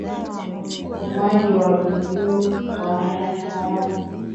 upumuaji wa juujuu na wa haraka